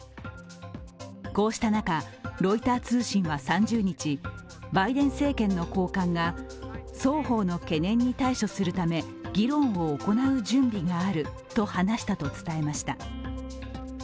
こうした中、ロイター通信は３０日、バイデン政権の高官が、双方の懸念に対処するため議論を行う準備があると話したと伝えました。